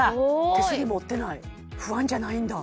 手すり持ってない不安じゃないんだ